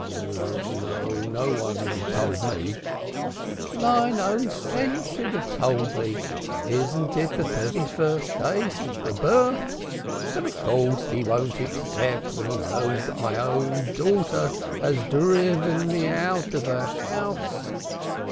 "No, no one told me." "Thine own sense should have told thee. Is it not the thirty first day since the birth? But of course he won't accept when he knows that my own daughter has driven me out of her house."